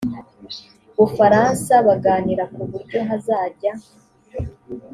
bufaransa baganira ku buryo hazajya